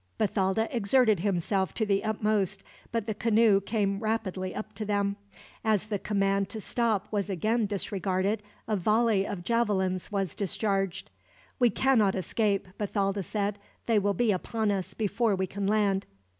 Bathalda exerted himself to the utmost, but the canoe came rapidly up to them. As the command to stop was again disregarded, a volley of javelins was discharged. "We cannot escape," Bathalda said. "They will be upon us, before we can land."